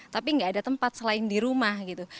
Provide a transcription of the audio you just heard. tapi nggak ada tempat selain di rumah gitu